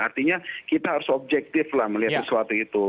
artinya kita harus objektif lah melihat sesuatu itu